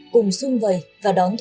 cùng xung vầy và đồng hành